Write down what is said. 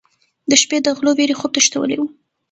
د شپې د غلو وېرې خوب تښتولی و.